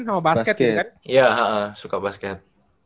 sama basket gitu kan ya suka basket